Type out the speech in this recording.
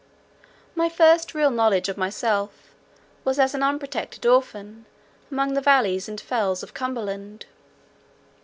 My first real knowledge of myself was as an unprotected orphan among the valleys and fells of Cumberland.